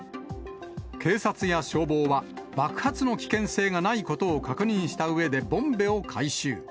警察や消防は、爆発の危険性がないことを確認したうえでボンベを回収。